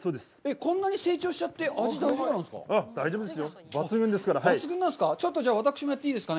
こんなに成長しちゃって味、大丈夫なんですか？